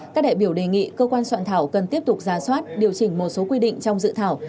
các đại biểu đề nghị cơ quan soạn thảo cần tiếp tục ra soát điều chỉnh một số quy định trong dự thảo